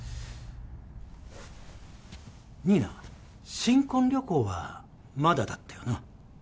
新名新婚旅行はまだだったよな？